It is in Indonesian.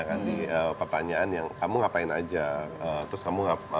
nanti pertanyaan yang kamu ngapain aja bre ngapa buat apa dapat uang dari setes yang